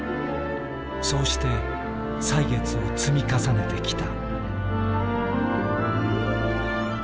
そうして歳月を積み重ねてきた。